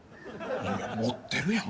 いやいや持ってるやん。